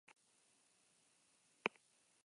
Gaur lekukoen txanda izan da.